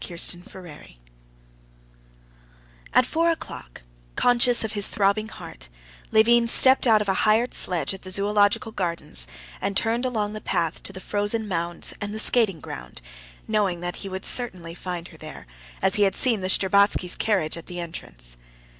Chapter 9 At four o'clock, conscious of his throbbing heart, Levin stepped out of a hired sledge at the Zoological Gardens, and turned along the path to the frozen mounds and the skating ground, knowing that he would certainly find her there, as he had seen the Shtcherbatskys' carriage at the entrance.